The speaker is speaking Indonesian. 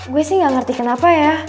gue sih gak ngerti kenapa ya